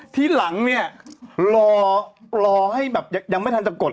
ทีหลังเนี่ยรอให้แบบยังไม่ทันจะกด